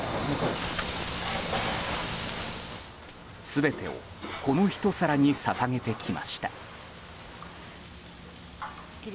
全てをこのひと皿に捧げてきました。